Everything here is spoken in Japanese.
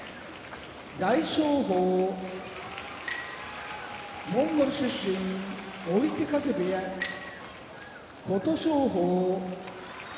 大翔鵬モンゴル出身追手風部屋琴勝峰